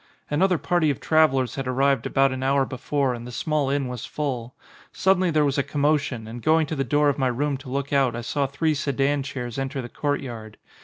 Another party of travellers had arrived about an hour before and the small inn was full. Suddenly there was a commotion and going to the door of my room to look out I saw three sedan chairs enter the court yard.